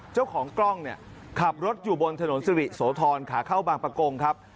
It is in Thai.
เจ้าของกล้องขับรถอยู่บนถนนสิริโสธรฝั่งข้าเข้าบาปกรมครับ